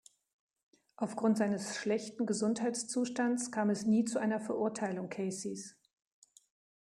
Aufgrund seines schlechten Gesundheitszustands kam es nie zu einer Verurteilung Caseys.